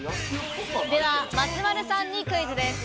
では松丸さんにクイズです。